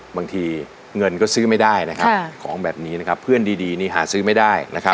บางทีเงินก็ซื้อไม่ได้นะครับของแบบนี้นะครับเพื่อนดีนี่หาซื้อไม่ได้